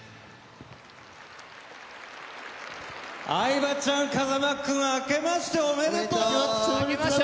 相葉ちゃん、風間君あけましておめでとう！